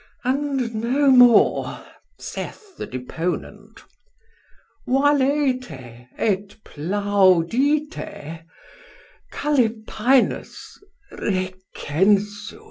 And no more saith the deponent. Valete et plaudite. Calepinus recensui.